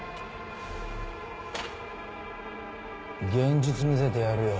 現実見せてやるよ。